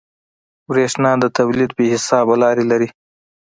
برېښنا د تولید بې حسابه لارې لري.